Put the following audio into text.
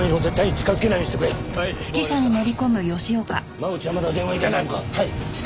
真渕はまだ電話に出ないのか？